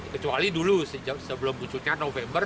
kecuali dulu sebelum munculnya november